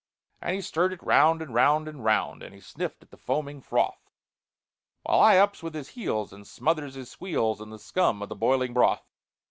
"And he stirred it round and round and round, And he sniffed at the foaming froth; When I ups with his heels, and smothers his squeals In the scum of the boiling broth.